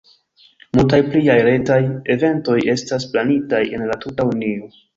Multaj pliaj retaj eventoj estas planitaj en la tuta Unio.